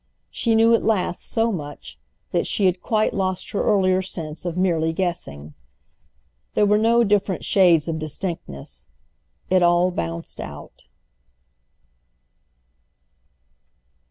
She knew at last so much that she had quite lost her earlier sense of merely guessing. There were no different shades of distinctness—it all bounced out.